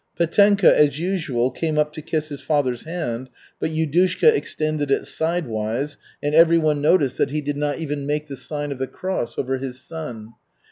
Petenka, as usual, came up to kiss his father's hand, but Yudushka extended it sidewise, and everyone noticed that he did not even make the sign of the cross over his son.